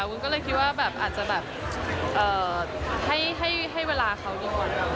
วุ้นก็เลยคิดว่าแบบอาจจะแบบให้เวลาเขาดีกว่า